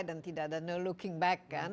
dan tidak ada no looking back kan